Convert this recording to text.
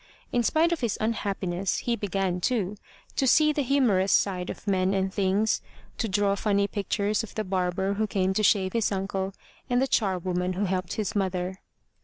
In spite of his unhappiness he began, too, to see the humorous side of men and things, to draw funny pictures of the barber who came to shave his uncle, and the charwoman who helped his mother.